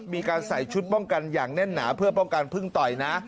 มีการใส่ชุดป้องกันอย่างแน่นหนาเพื่อป้องกันพึ่งต่อยนะ